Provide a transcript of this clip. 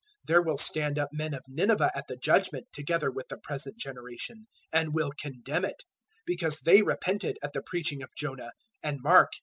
012:041 There will stand up men of Nineveh at the Judgement together with the present generation, and will condemn it; because they repented at the preaching of Jonah, and mark!